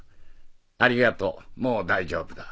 ありがとうもう大丈夫だ。